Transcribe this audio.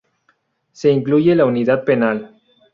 Se incluye la Unidad Penal.